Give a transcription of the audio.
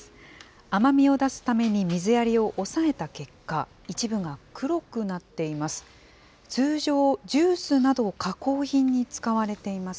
甘みを出すために、水やりを抑えた結果、一部が黒くなっています。